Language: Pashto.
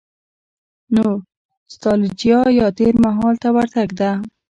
نو ستالجیا یا تېر مهال ته ورتګ ده.